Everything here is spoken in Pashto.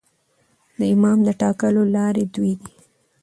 د امام د ټاکلو لاري دوې دي.